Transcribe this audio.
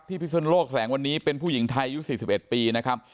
พิสุนโลกแถลงวันนี้เป็นผู้หญิงไทยอายุ๔๑ปีนะครับ